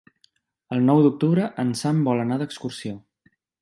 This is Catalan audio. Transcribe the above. El nou d'octubre en Sam vol anar d'excursió.